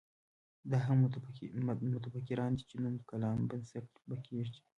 دا هغه متفکران دي چې نوي کلام بنسټ به کېږدي.